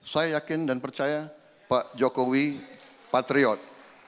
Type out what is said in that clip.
saya yakin dan percaya pak jokowi patriot